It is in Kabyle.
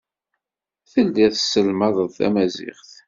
Tellid tesselmaded tamaziɣt.